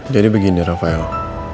jadi begini rafael